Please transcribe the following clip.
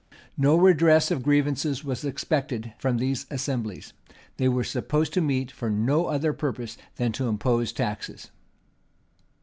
[*] No redress of grievances was expected from these assemblies: they were supposed to meet for no other purpose than to impose taxes.